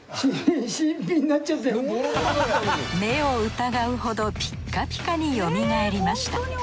目を疑うほどピッカピカによみがえりました。